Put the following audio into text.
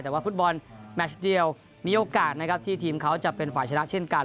แต่ว่าฟุตบอลแมชเดียวมีโอกาสนะครับที่ทีมเขาจะเป็นฝ่ายชนะเช่นกัน